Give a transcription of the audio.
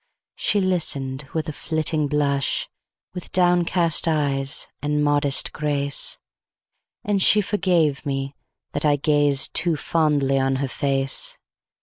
She listen'd with a flitting blush, With downcast eyes and modest grace; And she forgave me, that I gazedToo fondly on her face!